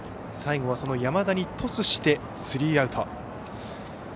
最後は山田にトスしてスリーアウト。